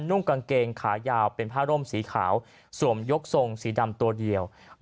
นุ่งกางเกงขายาวเป็นผ้าร่มสีขาวสวมยกทรงสีดำตัวเดียว